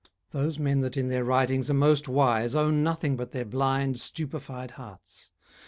Those men that in their writings are most wise Own nothing but their blind, stupefied hearts.